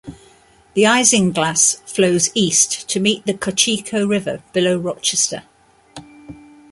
The Isinglass flows east to meet the Cochecho River below Rochester.